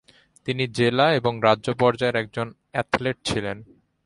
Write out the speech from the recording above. তিনি জেলা এবং রাজ্য পর্যায়ের একজন অ্যাথলেট ছিলেন।